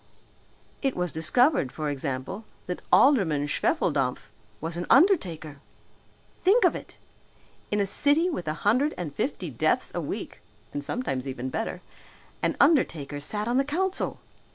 It was discovered, for example, that Alderman Schwefeldampf was an undertaker! Think of it! In a city with a hundred and fifty deaths a week, and sometimes even better, an undertaker sat on the council!